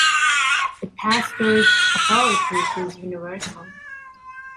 The "pastor's" authority is universal.